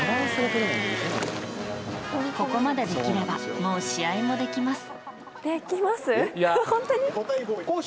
ここまでできればもう試合もできます。